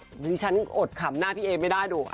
ดิฉันอดขำหน้าพี่เอไม่ได้ดู